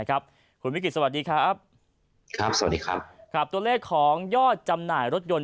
คุณวิกฤตสวัสดีครับครับสวัสดีครับครับตัวเลขของยอดจำหน่ายรถยนต์